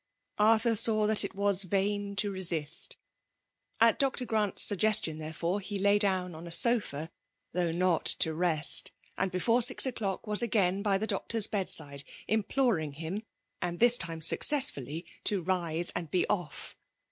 "* Arthur saw that it was vain to resist At Dr. Grant's suggestion, therefore, he lay down on a sofa, though not to rest ; and before six o'clock, was again by the doctor's bedside, imploring him, and this time successfully, to rise and be off.